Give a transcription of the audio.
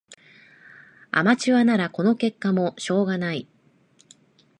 アマチュアならこの結果もしょうがない